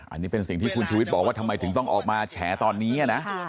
อันนี้เป็นสิ่งที่คุณชุวิตบอกว่าทำไมถึงต้องออกมาแฉตอนนี้นะ